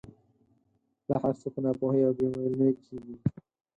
دا هر څه په ناپوهۍ او بې علمۍ کېږي.